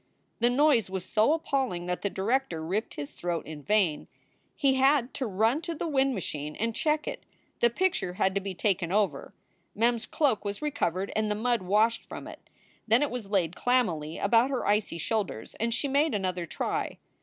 The noise was so appalling that the director ripped his throat in vain. He had to run to the wind machine and check it. The picture had to be taken over. Mem s cloak was recovered, and the mud washed from it. Then it was laid clammily about her icy shoulders and she made another try.